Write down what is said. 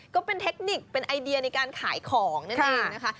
ก็เป็นเทคนิคเป็นไอเดียในการขายของนั่นเองนะคะ